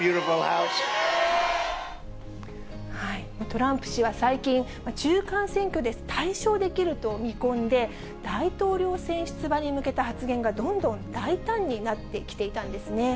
トランプ氏は最近、中間選挙で大勝できると見込んで、大統領選出馬に向けた発言がどんどん大胆になってきていたんですね。